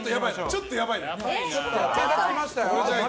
ちょっとやばいな。